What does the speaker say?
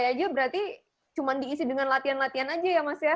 ini kapan dimulai aja berarti cuma diisi dengan latihan latihan aja ya mas ya